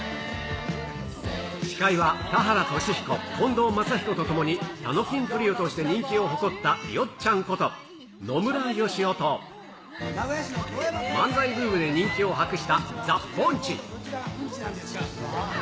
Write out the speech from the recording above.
司会は田原俊彦、近藤真彦と共に、たのきんトリオとして人気を誇ったヨッちゃんこと、野村義男と、漫才ブームで人気を博したザ・ぼんち。